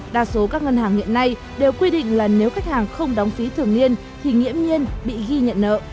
đa số các ngân hàng hiện nay đều quy định là nếu khách hàng không đóng phí thường niên thì nghiễm nhiên bị ghi nhận nợ